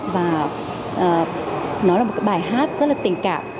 và nó là một cái bài hát rất là tình cảm